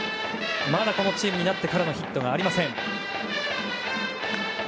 まだこのチームになってからのヒットがありません。